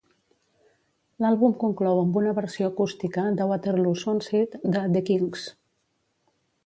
L'àlbum conclou amb una versió acústica de "Waterloo Sunset" de The Kinks.